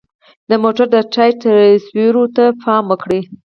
د موټر د ټایر تصویرو ته پام وکړئ.